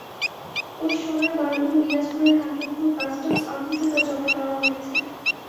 ওই সোনার বারগুলো দিনাজপুরের হাকিমপুর কাস্টমস অফিসে তা জমা দেওয়া হয়েছে।